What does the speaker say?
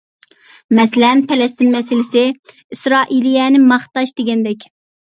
مەسىلەن: پەلەستىن مەسىلىسى، ئىسرائىلىيەنى ماختاش دېگەندەك.